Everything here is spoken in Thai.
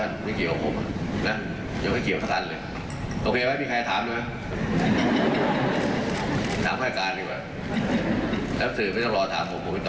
ไม่เกี่ยวตอบความผัดแรงมันเยอะพอเลยล่ะ